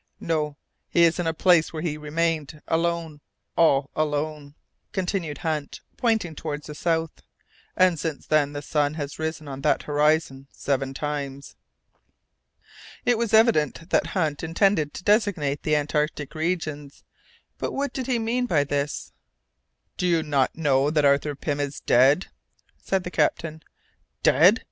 "No, he is in the place where he remained, alone, all alone," continued Hunt, pointing towards the south; "and since then the sun has risen on that horizon seven times." It was evident that Hunt intended to designate the Antarctic regions, but what did he mean by this? "Do you not know that Arthur Pym is dead?" said the captain. "Dead!"